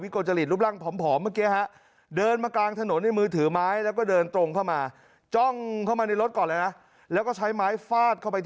กระหน่ำฟาดลงไปที่